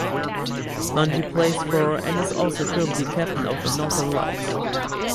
Bunge plays for and is also currently captain of the Northern Lights.